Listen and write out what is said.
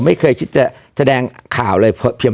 ไม่เคยคิดจะแสดงข่าวเลยเพียง